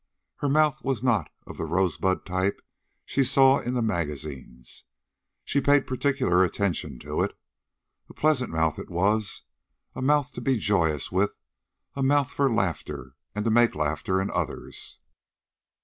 Her mouth was not of the rosebud type she saw in the magazines. She paid particular attention to it. A pleasant mouth it was, a mouth to be joyous with, a mouth for laughter and to make laughter in others.